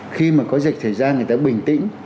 khi mà có dịch thời gian người ta bình tĩnh